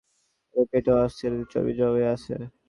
দীর্ঘক্ষণ বসে যাঁরা কাজ করেন, তাঁদের পেটেও আস্তেধীরে চর্বি জমে যায়।